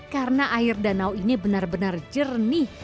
karena air danau ini benar benar jernih